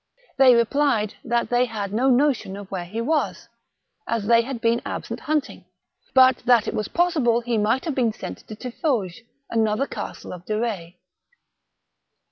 They replied that they had no notion of where THE MARiCHAL DE RETZ. 199 he was, as they had been absent hunting, bat that it was possible he might have been sent to TiflFauges, another castle of De Eetz.